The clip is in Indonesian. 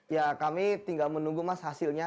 ya kami tinggal menunggu mas hasilnya